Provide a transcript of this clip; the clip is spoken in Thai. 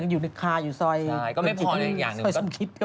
อยู่ในคาอยู่ซอยซอยสันคิดก็มี